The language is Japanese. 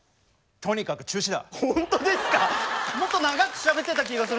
とにかく中止だ！